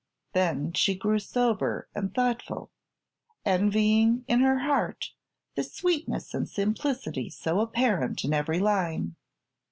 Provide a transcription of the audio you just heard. Then she grew sober and thoughtful, envying in her heart the sweetness and simplicity so apparent in every line.